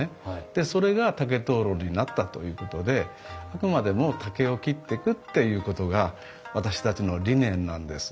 でそれが竹灯籠になったということであくまでも竹を切ってくっていうことが私たちの理念なんです。